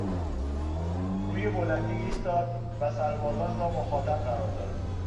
روی بلندی ایستاد و سربازان را مخاطب قرار داد.